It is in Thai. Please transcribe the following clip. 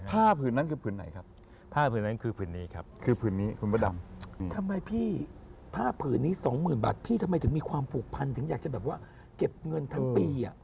แต่พี่ทำไมถึงมีความผูกพันเหมือนว่าเก็บเงินทาง๑ปี